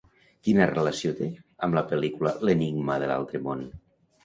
Quina relació té amb la pel·lícula L'enigma de l'altre món?